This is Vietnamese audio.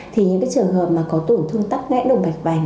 thì những cái trường hợp mà có tổn thương tắt ngẽ độc mạch vành